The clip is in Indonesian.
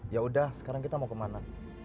yaudah sekarang kita mau kemana